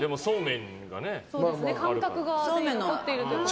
感覚が残っているということで。